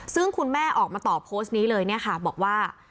ซึ่งคุณแม่ออกมาตอบโพสต์นี้เลยเนี่ยค่ะบอกว่า